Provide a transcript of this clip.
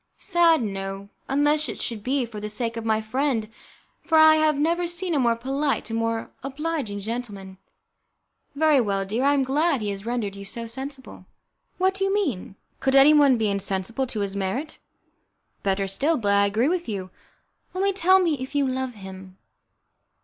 "Sad, no, unless it should be for the sake of my friend, for I have never seen a more polite and more obliging gentleman." "Very well, dear, I am glad he has rendered you so sensible." "What do you mean? Could anyone be insensible to his merit?" "Better still, but I agree with you. Only tell me if you love him?"